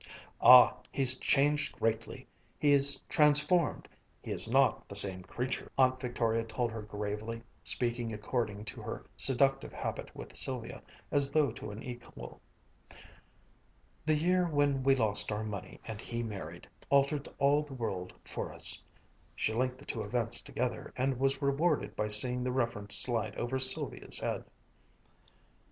"Ah, he's changed greatly he's transformed he is not the same creature," Aunt Victoria told her gravely, speaking according to her seductive habit with Sylvia, as though to an equal. "The year when we lost our money and he married, altered all the world for us." She linked the two events together, and was rewarded by seeing the reference slide over Sylvia's head.